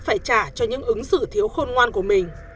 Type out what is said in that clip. phải trả cho những ứng xử thiếu khôn ngoan của mình